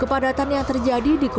kepadatan yang terjadi di sejumlah peron